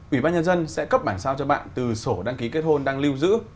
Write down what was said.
ủy ban nhân dân sẽ cấp bản sao cho bạn từ sổ đăng ký kết hôn đang lưu giữ